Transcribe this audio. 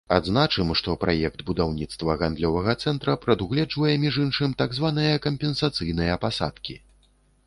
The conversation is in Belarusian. Адзначым, што праект будаўніцтва гандлёвага цэнтра прадугледжвае, між іншым, так званыя кампенсацыйныя пасадкі.